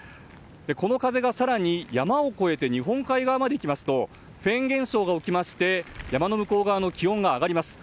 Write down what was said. この風が更に山を越えて日本海側まで行きますとフェーン現象が起きまして山の向こう側の気温が上がります。